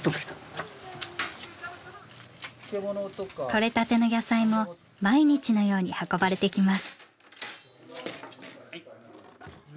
とれたての野菜も毎日のように運ばれてきます。